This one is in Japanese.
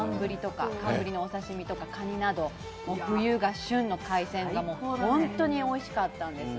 寒ぶりのお刺身とかカニなど冬が旬の海鮮が本当においしかったんです。